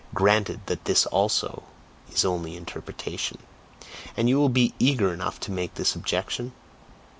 Granted that this also is only interpretation and you will be eager enough to make this objection?